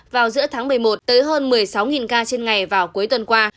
vào giữa tháng một mươi một tới hơn một mươi sáu ca trên ngày vào cuối tuần qua